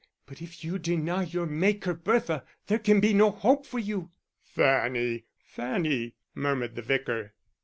But if you deny your Maker, Bertha, there can be no hope for you." "Fanny, Fanny," murmured the Vicar.